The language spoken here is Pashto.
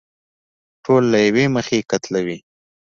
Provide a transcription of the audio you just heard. ټول له يوې مخې قتلوي.